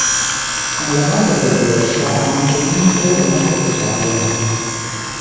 Con la maglia del Brescia ha anche vinto una Coppa Italia.